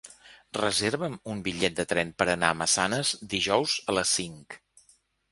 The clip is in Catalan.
Reserva'm un bitllet de tren per anar a Massanes dijous a les cinc.